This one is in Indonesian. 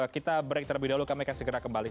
kita break terlebih dahulu kami akan segera kembali